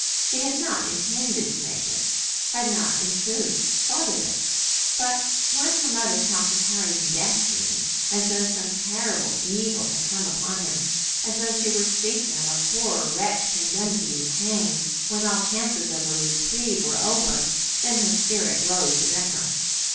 She had not intended to make it, had not, in truth, thought of it. But when her mother talked of Harry's destiny, as though some terrible evil had come upon him, as though she were speaking of a poor wretch condemned to be hanged, when all chances of a reprieve were over, then her spirit rose within her.